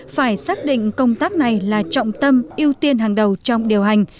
phải xác định công tác này là trọng tâm ưu tiên hàng đầu trong điều hành